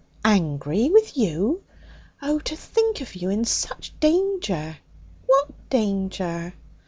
'Angry! With you! Oh, to think of you in such danger!' 'What danger?'